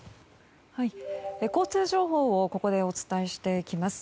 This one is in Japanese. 交通情報をここでお伝えしていきます。